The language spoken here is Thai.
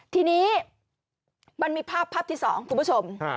ทีนี้มันมีภาพภาพที่๒คุณผู้ชม